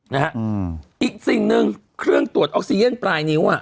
นะฮะอืมอีกสิ่งหนึ่งเครื่องตรวจออกซีเย็นปลายนิ้วอ่ะ